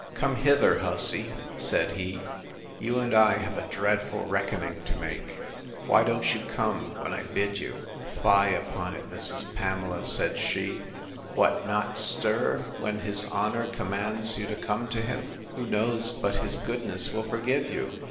Come hither, hussy! said he: You and I have a dreadful reckoning to make. Why don't you come, when I bid you?—Fie upon it, Mrs. Pamela, said she. What! not stir, when his honour commands you to come to him!—Who knows but his goodness will forgive you?